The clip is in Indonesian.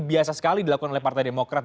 biasa sekali dilakukan oleh partai demokrat